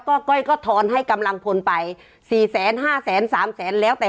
ก็ก้อยก็ทอนให้กำลังพลไปสี่แสนห้าแสนสามแสนแล้วแต่